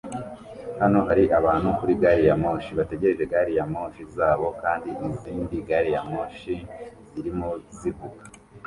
Hano hari abantu kuri gari ya moshi bategereje gari ya moshi zabo kandi izindi gariyamoshi zirimo zivuga